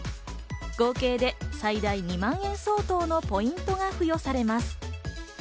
合計で最大２万円相当のポイントが付与されます。